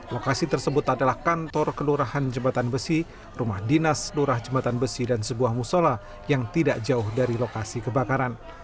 lokasi tersebut adalah kantor kelurahan jembatan besi rumah dinas lurah jembatan besi dan sebuah musola yang tidak jauh dari lokasi kebakaran